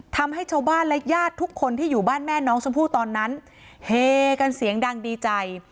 ทำให้ชาวบ้านและญาติทุกคนที่อยู่บ้านแม่น้องชมพู่ตอนนั้นเฮกันเสียงดังดีใจ